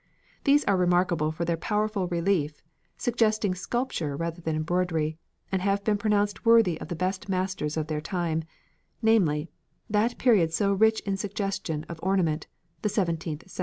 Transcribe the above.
These are remarkable for their powerful relief, suggesting sculpture rather than embroidery, and have been pronounced worthy of the best masters of their time namely, that period so rich in suggestions of ornament the seventeenth century.